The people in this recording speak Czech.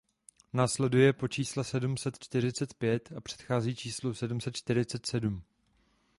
Následuje po čísle sedm set čtyřicet pět a předchází číslu sedm set čtyřicet sedm.